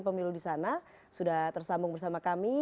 pemilu di sana sudah tersambung bersama kami